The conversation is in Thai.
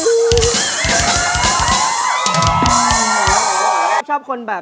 เพื่อจะไปชิงรางวัลเงินล้าน